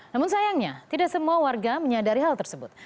namun sayangnya tidak semua warga menyadari hal tersebut